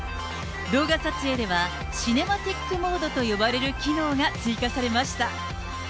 動画撮影では、シネマティックモードと呼ばれる機能が追加されました。